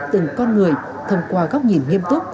từng con người thông qua góc nhìn nghiêm túc